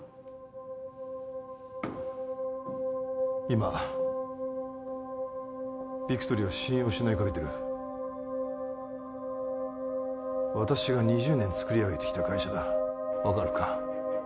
今ビクトリーは信用を失いかけてる私が２０年つくり上げてきた会社だ分かるか？